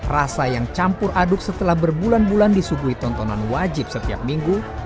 rasa yang campur aduk setelah berbulan bulan disuguhi tontonan wajib setiap minggu